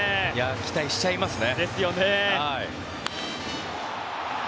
期待しちゃいますね。